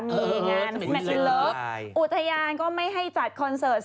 มีงานแม็กซ์อินเลิฟอุทยานก็ไม่ให้จัดคอนเสิร์ตเสม็ดแถว